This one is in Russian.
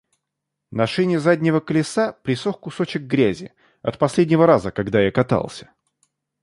На шине заднего колеса присох кусочек грязи — от последнего раза, когда я катался.